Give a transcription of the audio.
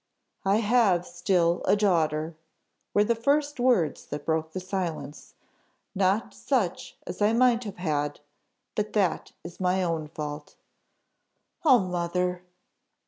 "I have still a daughter!" were the first words that broke the silence. "Not such as I might have had, but that is my own fault." "Oh mother!"